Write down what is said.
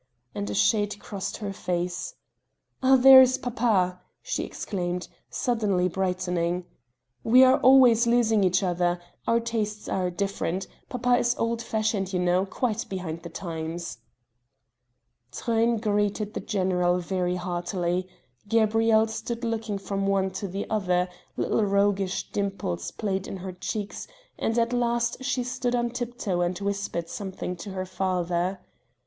and a shade crossed her face "ah, there is papa!" she exclaimed, suddenly brightening, "we are always losing each other our tastes are different papa is old fashioned you know quite behind the times ..." Truyn greeted the general very heartily; Gabrielle stood looking from one to the other; little roguish dimples played in her cheeks, and at last she stood on tiptoe and whispered something to her father.